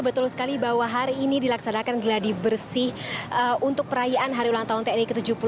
betul sekali bahwa hari ini dilaksanakan geladi bersih untuk perayaan hari ulang tahun tni ke tujuh puluh dua